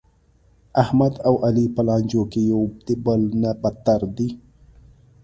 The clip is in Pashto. احمد او علي په لانجو کې یو د بل نه بتر دي.